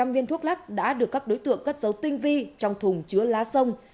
một mươi viên thuốc lắc đã được các đối tượng cất dấu tinh vi trong thùng chứa lá sông